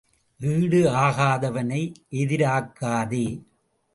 ஈடு ஆகாதவனை எதிராக்காதே.